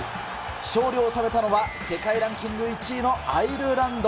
勝利を収めたのは、世界ランキング１位のアイルランド。